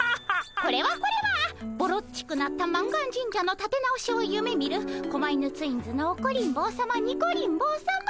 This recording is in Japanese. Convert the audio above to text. これはこれはぼろっちくなった満願神社のたて直しを夢みる狛犬ツインズのオコリン坊さまニコリン坊さま。